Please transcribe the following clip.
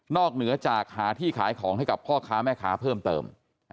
เหนือจากหาที่ขายของให้กับพ่อค้าแม่ค้าเพิ่มเติม